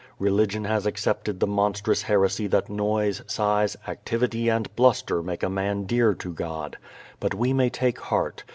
Religion has accepted the monstrous heresy that noise, size, activity and bluster make a man dear to God. But we may take heart.